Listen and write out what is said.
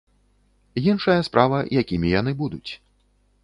Іншая справа, якімі яны будуць.